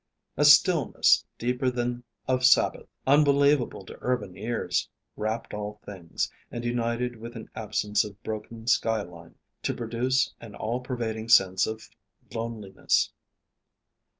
A stillness, deeper than of Sabbath, unbelievable to urban ears, wrapped all things, and united with an absence of broken sky line, to produce an all pervading sense of loneliness.